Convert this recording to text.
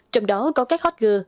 trong đó có các hot girl